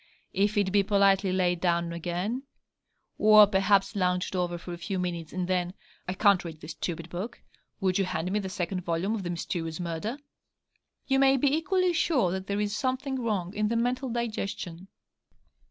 If it be politely laid down again, or perhaps lounged over for a few minutes, and then, 'I can't read this stupid book! Would you hand me the second volume of "The Mysterious Murder"?' you may be equally sure that there is something wrong in the mental digestion.